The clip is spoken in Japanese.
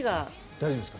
大丈夫ですか？